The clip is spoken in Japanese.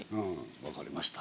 分かりました。